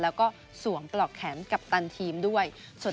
แล้วก็สวมปลอกแขนกัปตันทีมด้วย